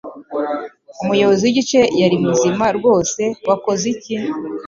Umuyobozi w'igice yari muzima rwose. Wakoze iki?